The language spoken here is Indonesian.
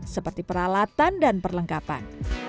seperti peralatan dan perlengkapan